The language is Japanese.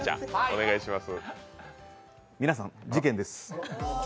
皆さん、事件です。